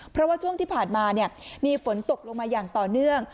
เพราะว่าช่วงที่ผ่านมามีฝนตกลงมาอย่างต่อเนื่อง